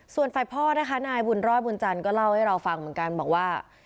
ส่วนฝ่ายพ่อนะคะนายบุญรอดบุญจันทร์ก็เล่าให้เราฟังเหมือนกันบอกว่า